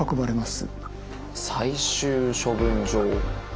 最終処分場。